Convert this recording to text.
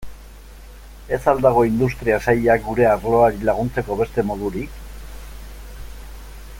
Ez al dago Industria Sailak gure arloari laguntzeko beste modurik?